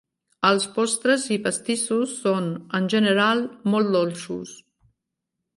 Els postres i pastissos són en general molt dolços.